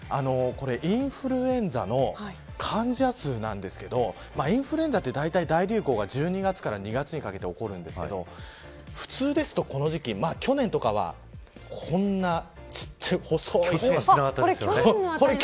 インフルエンザの患者数なんですけどインフルエンザって大体、大流行が１２月から２月にかけて起こるんですけど普通ですと、この時期去年とかは、こんな細い。